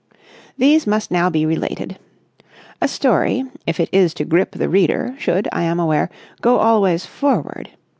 These must now be related. A story, if it is to grip the reader, should, I am aware, go always forward.